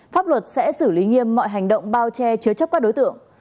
pháp luật sẽ xử lý nghiêm mọi hành động bao che chứa chấp các đối tượng